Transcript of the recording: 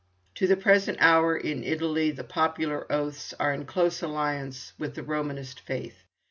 To the present hour, in Italy, the popular oaths are in close alliance with the Romanist faith.